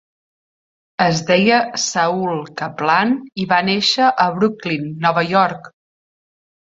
Es deia Saul Kaplan i va néixer a Brooklyn, Nova York.